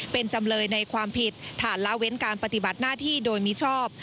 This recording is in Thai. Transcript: เป็นจำเลยในความผิดฐานละเว้นการปฏิบัติหน้าที่โดยมิชอบ